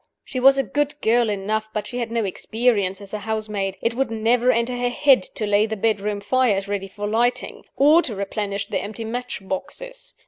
She was a good girl enough, but she had no experience as a housemaid: it would never enter her head to lay the bedroom fires ready for lighting, or to replenish the empty match boxes.